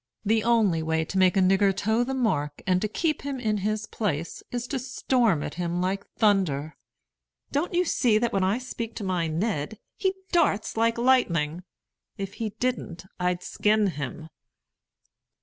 The only way to make a nigger toe the mark, and to keep him in his place, is to storm at him like thunder. Don't you see that when I speak to my Ned, he darts like lightning? If he didn't, I'd skin him."